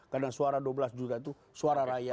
karena suara dua belas juta itu suara rakyat